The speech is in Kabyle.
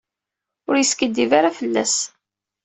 Ur yeskiddib ara fell-as.